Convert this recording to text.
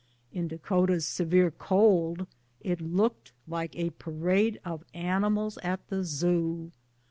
In Dakota's severe cold it looked like a parade of animals at the Zoo